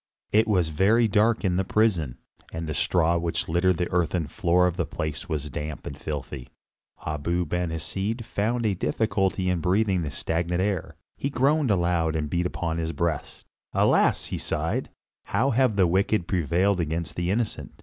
It was very dark in the prison, and the straw which littered the earthen floor of the place was damp and filthy. Abu Ben Hesed found a difficulty in breathing the stagnant air, he groaned aloud and beat upon his breast. "Alas!" he sighed, "how have the wicked prevailed against the innocent.